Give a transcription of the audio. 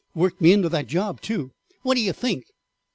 Worked me into the job too, see? What do yer think?"